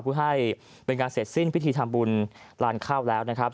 เพื่อให้เป็นการเสร็จสิ้นพิธีทำบุญลานข้าวแล้วนะครับ